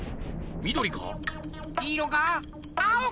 みどりか？